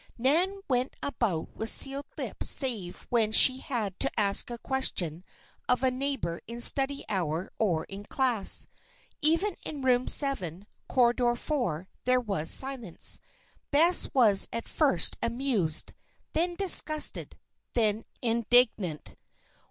Nan went about with sealed lips save when she had to ask a question of a neighbor in study hour or in class. Even in Room Seven, Corridor Four, there was silence. Bess was at first amused, then disgusted, then indignant.